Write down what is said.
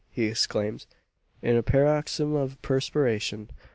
he exclaimed, in a paroxysm of perspiration.